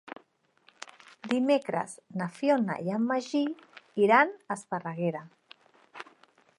Dimecres na Fiona i en Magí iran a Esparreguera.